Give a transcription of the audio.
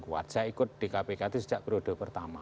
saya ikut di kpk ini dari periode pertama